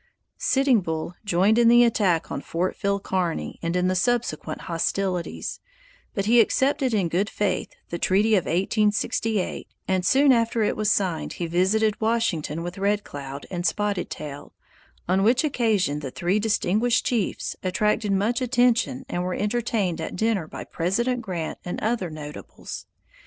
Sitting Bull joined in the attack on Fort Phil Kearny and in the subsequent hostilities; but he accepted in good faith the treaty of 1868, and soon after it was signed he visited Washington with Red Cloud and Spotted Tail, on which occasion the three distinguished chiefs attracted much attention and were entertained at dinner by President Grant and other notables.